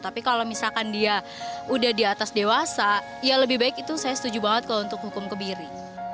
tapi kalau misalkan dia udah di atas dewasa ya lebih baik itu saya setuju banget kalau untuk hukum kebiri